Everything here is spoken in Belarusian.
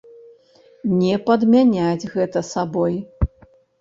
Не падмяняць гэта сабой!